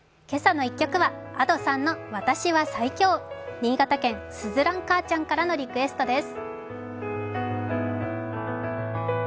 新潟県・鈴蘭母ちゃんからのリクエストです。